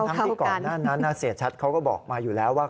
ที่ก่อนหน้านั้นเสียชัดเขาก็บอกมาอยู่แล้วว่า